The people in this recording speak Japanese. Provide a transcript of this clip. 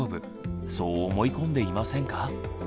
そう思い込んでいませんか？